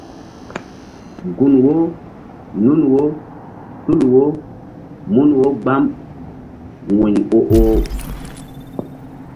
Gun wo nun wo tul wo mun wo gbam wu̧y o oh.